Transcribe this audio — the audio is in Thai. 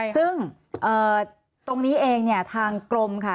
ซึ่งตรงนี้เองทางกลมค่ะ